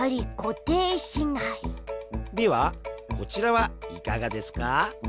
ではこちらはいかがですか？